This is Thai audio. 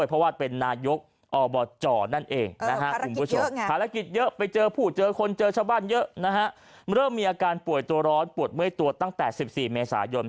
เริ่มมีอาการป่วยตัวร้อนปวดเมื่อยตัวตั้งแต่๑๔เมษายน